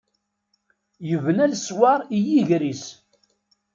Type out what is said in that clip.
Yebna leṣwaṛ i yiger-is.